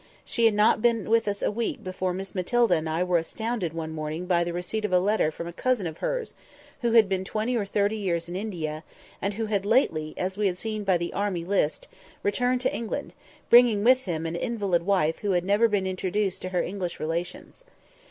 She had not been with us a week before Miss Matilda and I were astounded one morning by the receipt of a letter from a cousin of hers, who had been twenty or thirty years in India, and who had lately, as we had seen by the "Army List," returned to England, bringing with him an invalid wife who had never been introduced to her English relations.